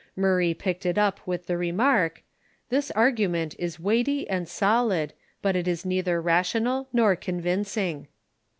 Murray picked it up with the remark, "This argument is Aveighty and solid, but it is neither rational nor convincing."